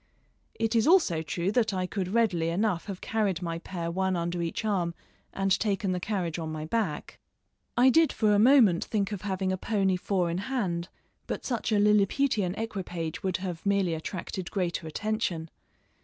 It is also true that I could readily enough have carried my pair one under each arm, and taken the carriage on my back. I did for a moment think of having a pony four in hand, but such a Liliputian equipage would have merely attracted greater attention.